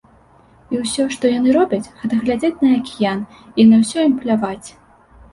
І ўсё, што яны робяць, гэта глядзяць на акіян, і на ўсё ім пляваць.